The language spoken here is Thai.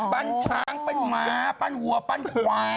ปั้นช้างปั้นม้าปั้นวัวปั้นควาย